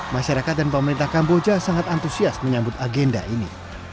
masyarakat dan pemerintah kamboja sangat antusias menyambut agenda ini